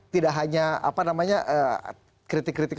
tidak hanya kritik kritik